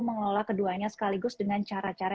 mengelola keduanya sekaligus dengan cara cara